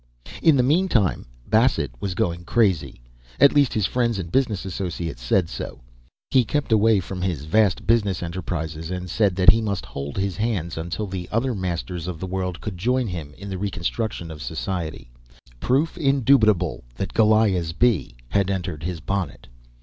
In the meantime, Bassett was going crazy at least his friends and business associates said so. He kept away from his vast business enterprises and said that he must hold his hands until the other masters of the world could join with him in the reconstruction of society proof indubitable that Goliah's bee had entered his bonnet.